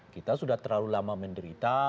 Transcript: kita sudah terlalu lama menderita